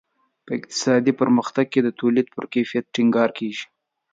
په اقتصادي پرمختګ کې د تولید پر کیفیت ټینګار کیږي.